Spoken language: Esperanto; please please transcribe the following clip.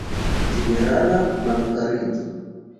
Ĝenerala malkariĝo.